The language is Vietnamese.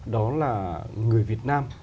đó là người việt nam